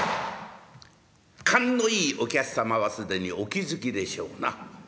勘のいいお客様は既にお気付きでしょうな。